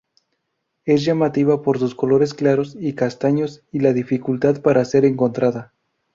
Es llamativa por sus colores claros y castaños, y la dificultad para ser encontrada.